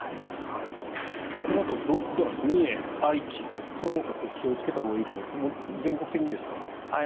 このあとどうなんですか三重、愛知、そのほか気をつけたほうがいいところ全国的にですか？